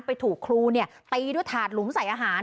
ไปถูกครูตีด้วยถาดหลุมใส่อาหาร